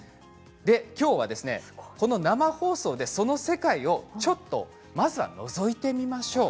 きょうはこの生放送でその世界をちょっと、まずはのぞいてみましょう。